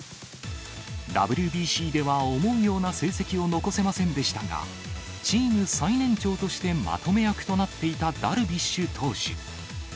ＷＢＣでは、思うような成績を残せませんでしたが、チーム最年長として、まとめ役となっていたダルビッシュ投手。